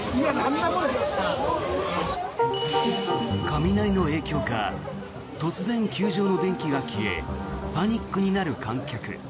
雷の影響か突然、球場の電気が消えパニックになる観客。